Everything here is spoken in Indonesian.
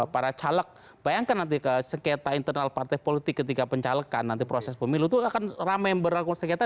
para caleg bayangkan nanti sekretar internal partai politik ketika pencaleg kan nanti proses pemilu itu akan ramai yang beranggung sekretar